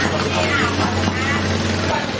สองน้อยแห่งละที่